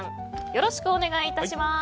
よろしくお願いします。